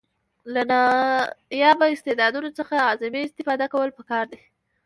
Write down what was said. له نایابه استعدادونو څخه اعظمي استفاده کول پکار دي.